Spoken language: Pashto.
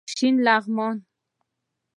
شین لغمان